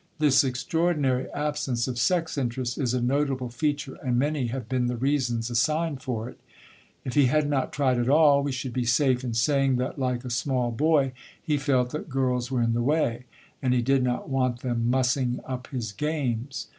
This extraordinary absence of sex interest is a notable feature, and many have been the reasons assigned for it. If he had not tried at all, we should be safe in saying that, like a small boy, he felt that girls were in the way, and he did not want them mussing up his games.